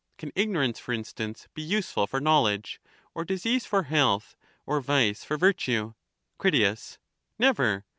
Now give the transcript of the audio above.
Can ignorance, for instance, be useful for knowledge, or disease for health, or vice for virtue? Crit. Never.